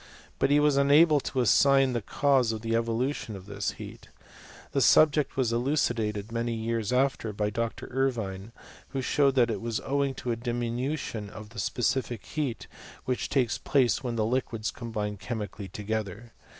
But he was unable to assign the cause of the evolution of this heat. The subjett was elucidated many years after by Dr. Irvine, who showed that it was owing to a diminution of the specific heat which takes place when liquids combine chemically together.